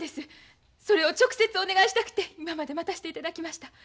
それを直接お願いしたくて今まで待たしていただきました。